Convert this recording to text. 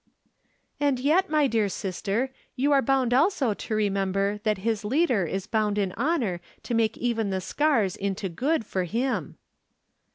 " And yet, my dear sister, you are bound also to remember that his Leader is bound in honor to make even the scars into good for Him."